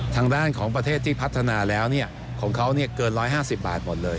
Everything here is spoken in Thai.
ทางด้านของประเทศที่พัฒนาแล้วของเขาเกิน๑๕๐บาทหมดเลย